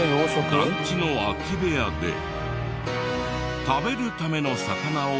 団地の空き部屋で食べるための魚を養殖していた。